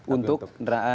untuk neraca dagang